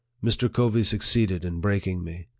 Mr. Covey succeeded in breaking me.